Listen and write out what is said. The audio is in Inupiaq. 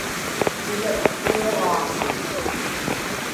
iḷaksiuġaaŋa